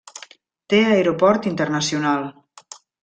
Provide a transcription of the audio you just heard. Té aeroport internacional.